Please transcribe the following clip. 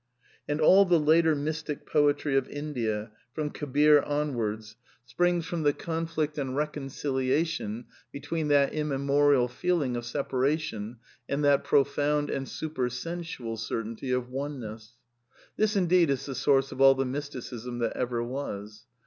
And all the later ( mystic poetry of India, from Kabir onwards, springs from 1 282 A DEFENCE OF IDEALISM the conflict and reconciliation between that immemorial feeling of separation and that profound and supersensual certainty of oneness. This indeed is the source of all the mysticism that ever was.